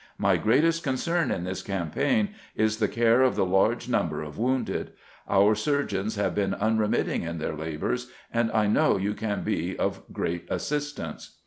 My greatest concern in this campaign is the care of the large number of wounded. Our surgeons hav& been unremitting in their labors, and I know you can be of great assistance."